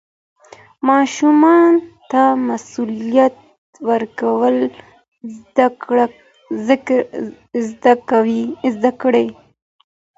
ماشومانو ته مسوولیت ورکول زده کړئ.